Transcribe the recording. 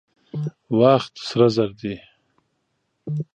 وخت سره زر دي.